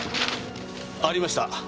ありました。